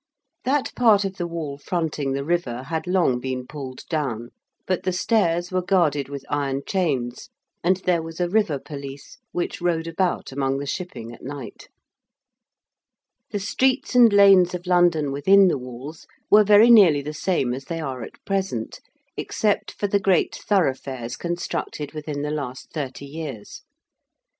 That part of the wall fronting the river had long been pulled down, but the stairs were guarded with iron chains, and there was a river police which rowed about among the shipping at night. [Illustration: CHEPE IN THE FIFTEENTH CENTURY.] The streets and lanes of London within the walls were very nearly the same as they are at present, except for the great thoroughfares constructed within the last thirty years.